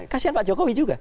kasian pak jokowi juga